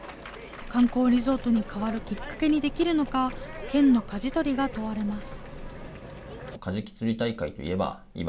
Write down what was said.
観光リゾートに変わるきっかけにできるのか、県のかじ取りが問われます。